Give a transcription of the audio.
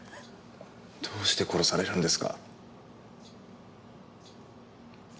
どうして殺されるんですか？